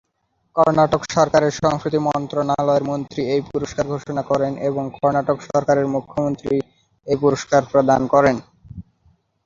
কর্ণাটক সরকারের সংস্কৃতি মন্ত্রণালয়ের মন্ত্রী এই পুরস্কার ঘোষণা করেন এবং কর্ণাটক সরকারের মুখ্যমন্ত্রী এই পুরস্কার প্রদান করেন।